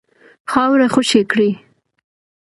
خاوره خوشي کړي.